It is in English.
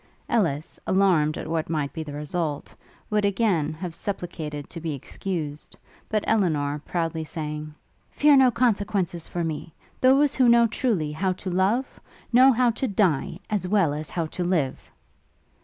Ellis, alarmed at what might be the result, would again have supplicated to be excused; but Elinor, proudly saying, 'Fear no consequences for me! Those who know truly how to love, know how to die, as well as how to live!'